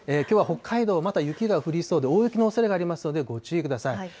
きょうは北海道、また雪が降りそうで、大雪のおそれがありますのでご注意ください。